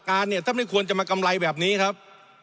อันนี้คือกำไรครับ